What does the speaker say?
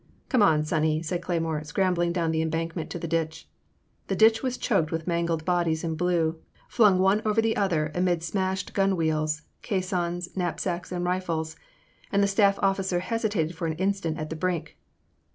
" Come on, sonny," said Cleymore, scrambling down the embankment to the ditch. The ditch was choked with mangled bodies in blue, flung one over the other amid smashed gun wheels, caissons, knapsacks, and rifles ; and the staff officer hesitated for an instant at the brink.